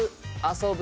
遊ぶ。